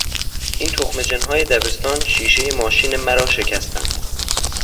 این تخم جنهای دبستان شیشه ماشین مرا شکستند!